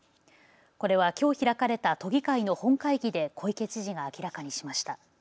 これはきょう開かれた都議会の本会議で小池知事が明らかにしました。